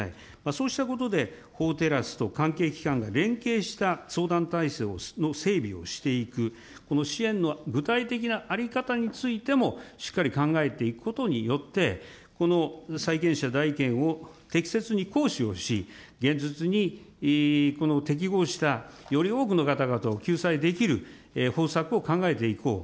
そうしたことで、法テラスと関係機関が連携した相談体制の整備をしていく、この支援の具体的な在り方についてもしっかり考えていくことによって、この債権者代位権を適切に行使をし、現実に適合した、より多くの方々を救済できる方策を考えていこう。